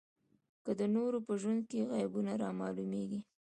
که د نورو په ژوند کې عیبونه رامعلومېږي.